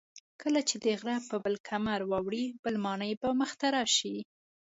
کله چې د غره پر بل کمر واوړې بله ماڼۍ به مخې ته راشي.